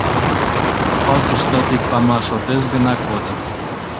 Пасуштат ик памаш отеш гына кодын.